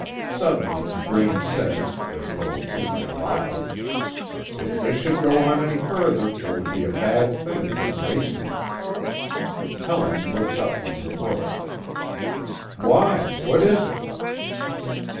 Suddenly Braine says, as though thinking aloud: "If this should go any farther it would be a bad thing for Grayson." Helen looks up from her book: "Why? What is it?"